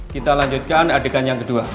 kita lanjutkan adegan yang kedua